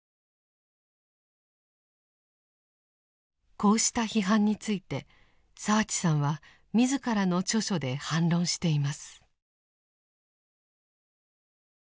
こうした批判について澤地さんは自らの著書で反論しています。